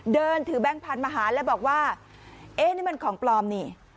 เดินถือแบงค์พันธุ์มาหาแล้วบอกว่าเอ๊ะนี่มันของปลอมนี่